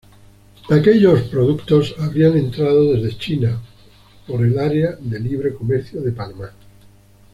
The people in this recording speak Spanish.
Aquellos productos habrían entrado desde China, por el área de libre comercio de Panamá.